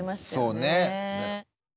そうね。